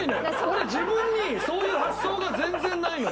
俺自分にそういう発想が全然ないのよ。